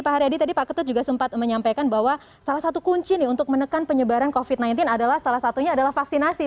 pak haryadi tadi pak ketut juga sempat menyampaikan bahwa salah satu kunci nih untuk menekan penyebaran covid sembilan belas adalah salah satunya adalah vaksinasi